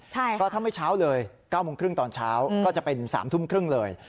และทำให้เช้าเลย๙โมงครึ่งตอนเช้าก็จะไปถึง๓ทุ่มครึ่งเลย